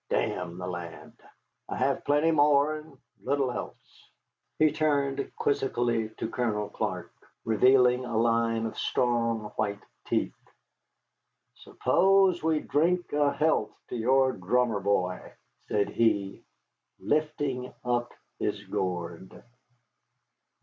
Damn the land. I have plenty more, and little else." He turned quizzically to Colonel Clark, revealing a line of strong, white teeth. "Suppose we drink a health to your drummer boy," said he, lifting up his gourd.